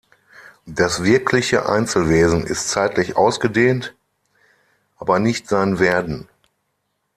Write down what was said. Das wirkliche Einzelwesen ist zeitlich ausgedehnt, aber nicht sein Werden.